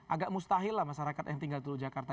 agak mustahil lah masyarakat yang tinggal di jakarta